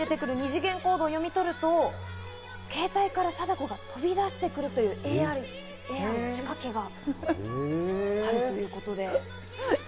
２次元コードを読み取ると、携帯から貞子が飛び出してくるというＡＲの仕掛けがあるということで。